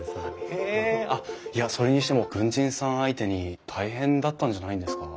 へえあっそれにしても軍人さん相手に大変だったんじゃないんですか？